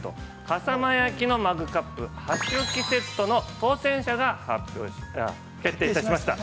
笠間焼マグカップ・箸置きセットの当せん者が決定いたしました。